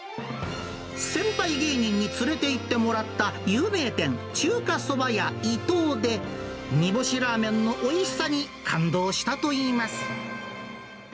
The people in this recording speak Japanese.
先輩芸人に連れて行ってもらった有名店、中華そば屋伊藤で、煮干しラーメンのおいしさに感動したといいます。